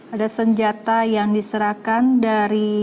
ada senjata yang diserahkan dari